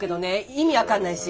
意味分かんないし。